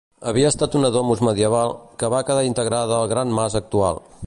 Havia estat una domus medieval, que va quedar integrada al gran mas actual.